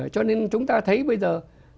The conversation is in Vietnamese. cho nên chúng ta thấy bây giờ